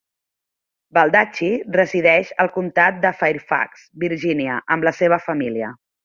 Baldacci resideix al comtat de Fairfax, Virginia, amb la seva família.